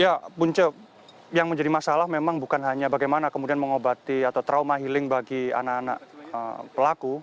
ya punce yang menjadi masalah memang bukan hanya bagaimana kemudian mengobati atau trauma healing bagi anak anak pelaku